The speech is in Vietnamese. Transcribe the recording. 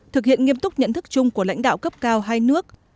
thực hiện nghiêm túc nhận thức chung của lãnh đạo cấp cao hai nước